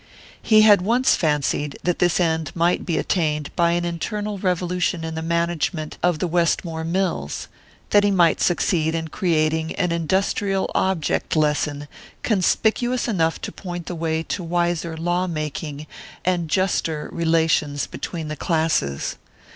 He had once fancied that this end might be attained by an internal revolution in the management of the Westmore mills; that he might succeed in creating an industrial object lesson conspicuous enough to point the way to wiser law making and juster relations between the classes.